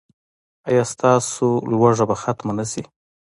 ایا ستاسو لوږه به ختمه نه شي؟